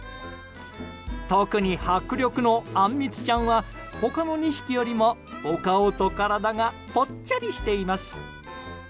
特に、迫力のあんみつちゃんは他の２匹よりもお顔と体がぽっちゃりしています。